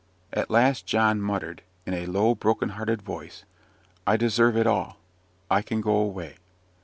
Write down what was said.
At last John muttered, in a low broken hearted voice, "I deserve it all. I can go away.